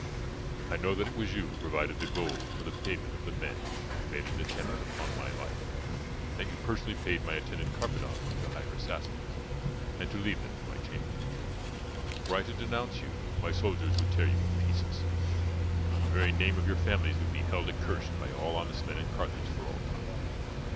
I know that it was you who provided the gold for the payment of the men who made an attempt upon my life, that you personally paid my attendant Carpadon to hire assassins, and to lead them to my chamber. Were I to denounce you, my soldiers would tear you in pieces. The very name of your families would be held accursed by all honest men in Carthage for all time.